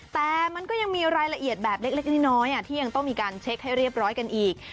แต่มันก็ยังมีรายละเอียดแบบเล็กน้อยที่ยังต้องมีการเช็คให้เรียบร้อยกันอีก